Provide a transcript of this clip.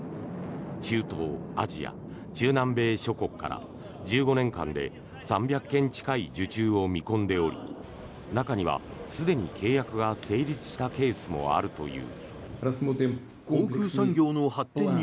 中東、アジア、中南米諸国から１５年間で３００件近い受注を見込んでおり中には、すでに契約が成立したケースもあるという。